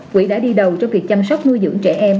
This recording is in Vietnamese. quỹ đã đi đầu trong việc chăm sóc nuôi dưỡng trẻ em